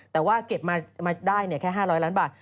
แต่ว่าเก็บมาได้แค่๕๐๐ล้านบาท